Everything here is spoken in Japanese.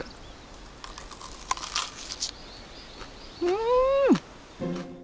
うん！